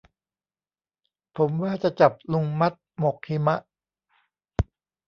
ผมว่าจะจับลุงมัดหมกหิมะ